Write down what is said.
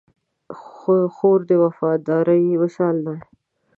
خور د وفادارۍ مثال ده.